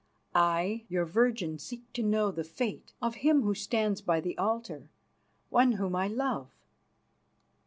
"I, your virgin, seek to know the fate of him who stands by the altar, one whom I love."